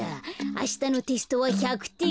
あしたのテストは１００てん。